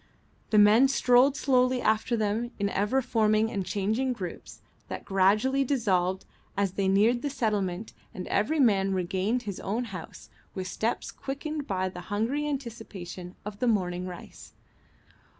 The men strolled slowly after them in ever forming and changing groups that gradually dissolved as they neared the settlement and every man regained his own house with steps quickened by the hungry anticipation of the morning rice.